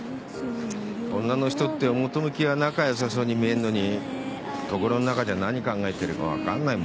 女の人って表向きは仲良さそうに見えるのに心の中じゃ何考えてるか分かんないもんなんだな。